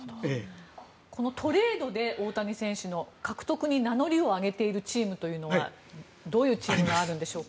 このトレードで大谷選手の獲得に名乗りを上げているチームというのはどういうチームがあるんでしょうか。